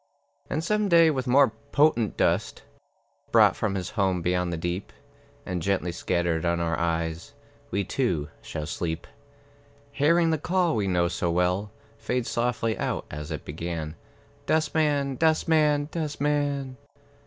And some day, with more potent dust, Brought from his home beyond the deep, And gently scattered on our eyes, We, too, shall sleep, Hearing the call we know so well Fade softly out as it began, "Dustman, dustman, Dustman!"